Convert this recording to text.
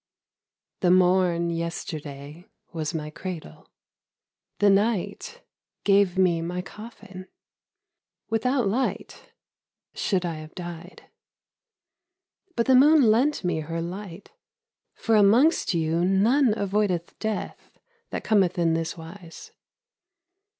The morn yesterday was my cradle, The night gave me my coffin, Without light should I have died — But the moon lent me her light, For amongst you none Avoideth death that cometh in this wise.